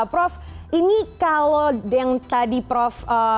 prof ini kalau yang tadi prof